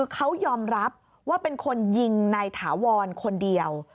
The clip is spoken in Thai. เขายอมรับว่าเป็นคนยิงนายถาวรคนเดียว